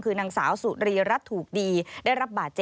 คือนางสาวสุรีรัตน์ถูกดี